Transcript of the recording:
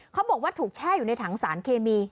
เขาบอกว่าถูกแช่อยู่ในถังสารเคมี